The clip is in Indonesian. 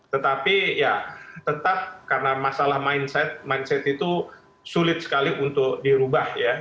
tetapi ya tetap karena masalah mindset mindset itu sulit sekali untuk dirubah ya